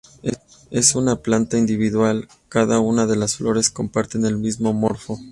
En una planta individual, cada una de las flores comparten el mismo morfo.